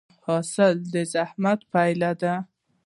حاصل د زحمت پایله ده؟